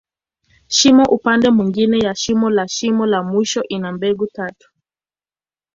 Shimo upande mwingine ya mwisho la shimo la mwisho, ina mbegu tatu.